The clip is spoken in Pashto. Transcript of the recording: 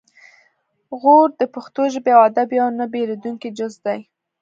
غور د پښتو ژبې او ادب یو نه بیلیدونکی جز دی